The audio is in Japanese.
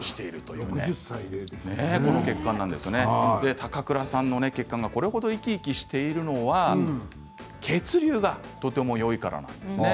高倉さんの血管がこれ程、生き生きしてるのは血流がとてもよいからなんです。